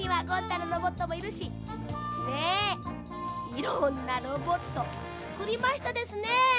いろんなロボットつくりましたですね。